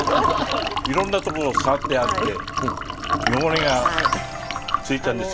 いろんなとこを触ってやって汚れがついちゃうんです。